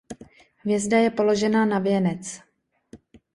Hvězda je položena na věnec.